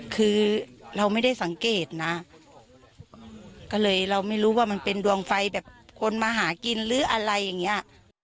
คือเราไม่ได้สังเกตนะก็เลยเราไม่รู้ว่ามันเป็นดวงไฟแบบคนมาหากินหรืออะไรอย่างนี้